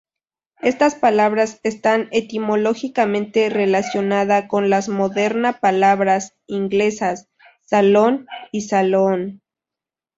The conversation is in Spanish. Estas palabras están etimológicamente relacionada con las moderna palabras inglesas "salon" y "saloon".